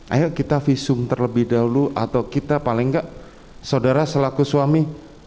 ayo kita visum terlebih dahulu atau kita paling enggak saudara selaku suami